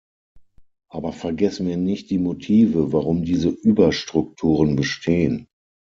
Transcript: Aber vergessen wir nicht die Motive, warum diese Überstrukturen bestehen.